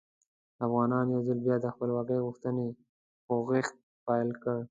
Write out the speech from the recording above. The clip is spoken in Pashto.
افغانانو یو ځل بیا د خپلواکۍ غوښتنې خوځښت پیل کړ.